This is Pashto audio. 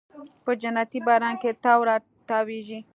په جنتي باران کې تاو راتاویږې